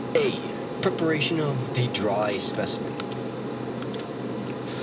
[alpha] Preparation of the dry specimen.